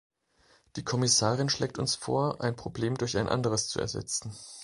Die Kommissarin schlägt uns vor, ein Problem durch ein anderes zu ersetzen.